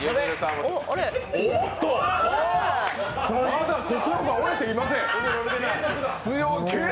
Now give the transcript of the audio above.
まだ心が折れていません！